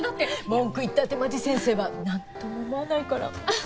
文句言ったって間地先生はなんとも思わないから。